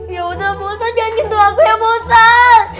ya udah busan jangan jatuh aku ya busan